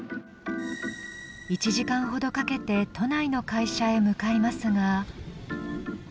１時間ほどかけて都内の会社へと向かいますが。